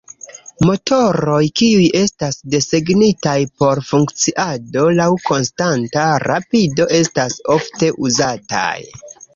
Motoroj kiuj estas desegnitaj por funkciado laŭ konstanta rapido estas ofte uzataj.